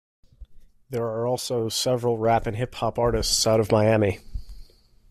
There are also several rap and hip hop artists out of Miami.